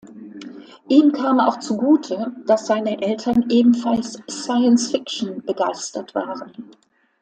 Ihm kam auch zugute, dass seine Eltern ebenfalls Science-Fiction-begeistert waren.